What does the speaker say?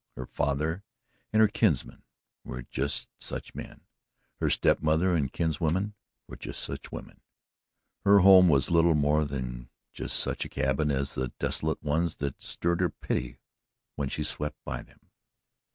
Her father and her kinsmen were just such men her step mother and kinswomen were just such women. Her home was little more than just such a cabin as the desolate ones that stirred her pity when she swept by them.